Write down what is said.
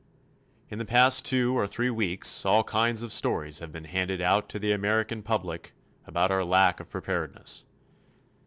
In the past two or three weeks all kinds of stories have been handed out to the American public about our lack of preparedness.